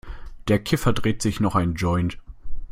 Der Kiffer dreht sich noch einen Joint.